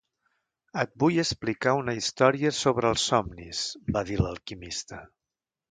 "Et vull explicar una història sobre els somnis", va dir l'alquimista.